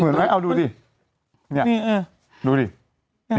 กล้องผมเคี้ยวเมื่อก็เนี้ยคอแซม